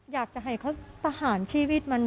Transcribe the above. อยากจะให้เขาประหารชีวิตมัน